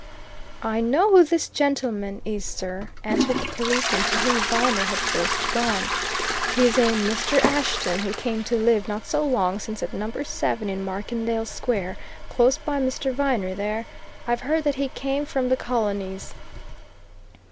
"I know who this gentlemen is, sir," answered the policeman to whom Viner had first gone. "He's a Mr. Ashton, who came to live not so long since at number seven in Markendale Square, close by Mr. Viner there. I've heard that he came from the Colonies."